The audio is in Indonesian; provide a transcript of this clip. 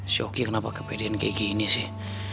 si yoki kenapa kepedean kayak gini sih